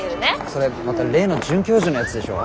それまた例の准教授のやつでしょ？